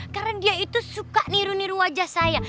karena dia itu suka niru niru wajah saya